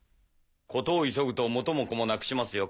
事を急ぐと元も子もなくしますよ